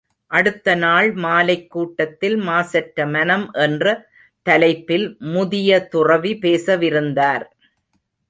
அடுத்த நாள் மாலைக் கூட்டத்தில் மாசற்ற மனம் என்ற தலைப்பில் முதிய துறவி பேச விருந்தார்.